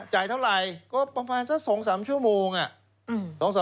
จ่ายเท่าไหร่ก็ประมาณสัก๒๓ชั่วโมงอะ